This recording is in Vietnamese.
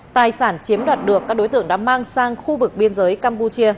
tài sản chiếm đoạt được các đối tượng đã mang sang khu vực biên giới campuchia